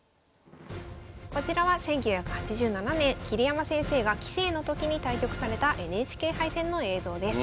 こちらは１９８７年桐山先生が棋聖の時に対局されたＮＨＫ杯戦の映像です。